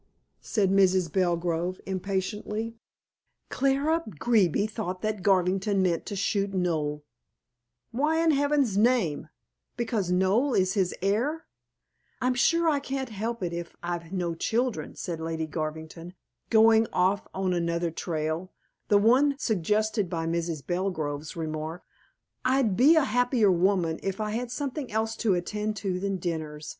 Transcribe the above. said Mrs. Belgrove impatiently. "Clara Beeby thought that Garvington meant to shoot Noel." "Why, in heaven's name! Because Noel is his heir?" "I'm sure I can't help it if I've no children," said Lady Garvington, going off on another trail the one suggested by Mrs. Belgrove's remark. "I'd be a happier woman if I had something else to attend to than dinners.